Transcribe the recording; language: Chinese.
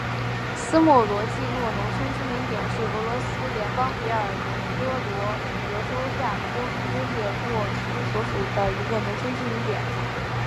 斯莫罗季诺农村居民点是俄罗斯联邦别尔哥罗德州雅科夫列沃区所属的一个农村居民点。